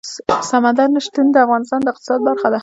سمندر نه شتون د افغانستان د اقتصاد برخه ده.